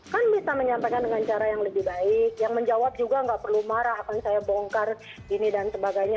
kan bisa menyampaikan dengan cara yang lebih baik yang menjawab juga nggak perlu marah akan saya bongkar ini dan sebagainya